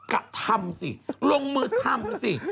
กระทำสิลงมือทำสิ